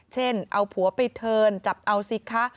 เช่นเอาผัวไปเทิร์นจับเอาสิคะ